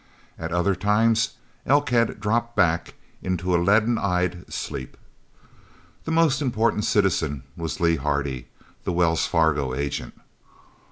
At other times Elkhead dropped back into a leaden eyed sleep. The most important citizen was Lee Hardy, the Wells Fargo agent.